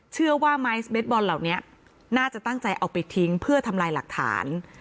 เชื่อว่าไม้สเม็ดบอลเหล่านี้น่าจะตั้งใจเอาไปทิ้งเพื่อทำลายหลักฐาน